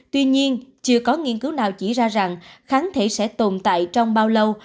tuy nhiên chưa có nghiên cứu nào chỉ ra rằng kháng thể sẽ tồn tại trong bao lâu